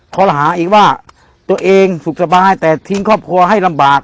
ขอหาอีกว่าตัวเองสุขสบายแต่ทิ้งครอบครัวให้ลำบาก